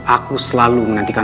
aku selalu menantikan